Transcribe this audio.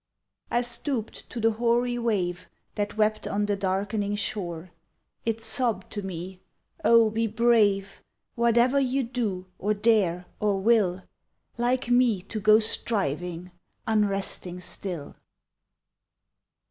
I stooped to the hoary wave That wept on the darkening shore. It sobbed to me: "Oh, be brave! Whatever you do, or dare, or will, Like me to go striving, unresting still."